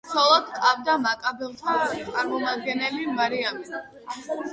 ცოლად ჰყავდა მაკაბელთა წარმომადგენელი მარიამი.